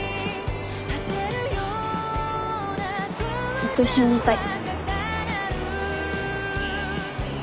ずっと一緒にいたい。